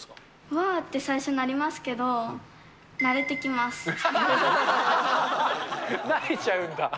わぁって最初なりますけれど慣れちゃうんだ。